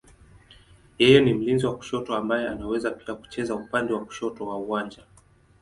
Yeye ni mlinzi wa kushoto ambaye anaweza pia kucheza upande wa kushoto wa uwanja.